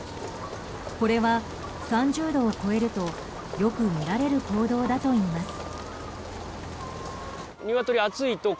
これは３０度を超えるとよく見られる行動だといいます。